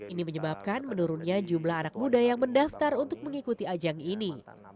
ini menyebabkan menurunnya jumlah anak muda yang mendaftar untuk mengikuti ajang ini